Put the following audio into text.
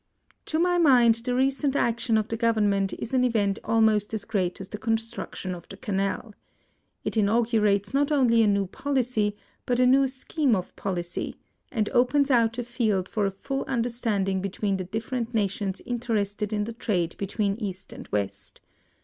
To my mind the recent action of the Government is an event almost as great as the construction of the Canal. It inaugu rates not only a new policy, but a new scheme of policy, and opens out a field for a full understanding between the different nations interested in the trade between East and West.